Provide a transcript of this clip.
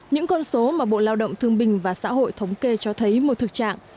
những con số mà bộ lao động thương bình và xã hội thống kê cho thấy một thực trạng